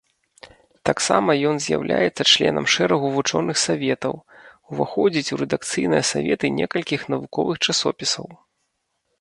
Таксама ён з'яўляецца членам шэрагу вучоных саветаў, уваходзіць у рэдакцыйныя саветы некалькіх навуковых часопісаў.